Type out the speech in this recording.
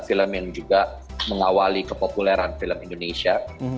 film yang juga mengawali kepopuleran film indonesia